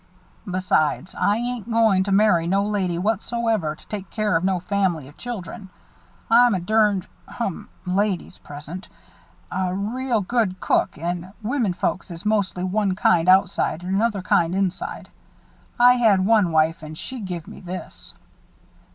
Besides, I ain't goin' to marry no lady whatsoever to take care of no family of children. I'm a durned hum, ladies present real good cook and women folks is mostly one kind outside and another kind inside. I had one wife and she give me this."